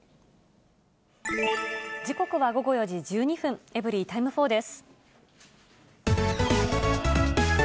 時刻は午後４時１２分、エブリィタイム４です。